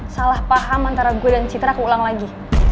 salah paham antara gue dan citra keulang lagi